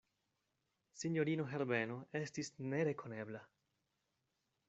Sinjorino Herbeno estis nerekonebla.